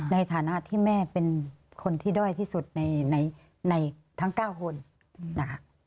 ในฐานะที่แม่เป็นคนที่ด้อยที่สุดในทั้ง๙คนนะคะ